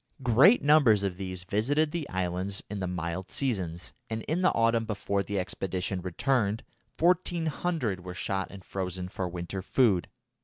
Great numbers of these visited the islands in the mild seasons, and in the autumn before the expedition returned 1400 were shot and frozen for winter food.